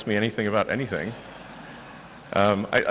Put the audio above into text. ada yang ingin bertanya tentang apa apa